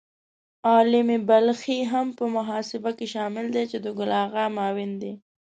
عالمي بلخي هم په محاسبه کې شامل دی چې د ګل آغا معاون دی.